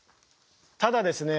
ただですね